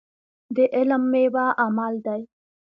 د علم ميوه عمل دی.